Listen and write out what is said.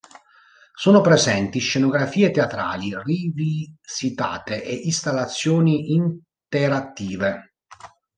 Sono presenti scenografie teatrali rivisitate e installazioni interattive.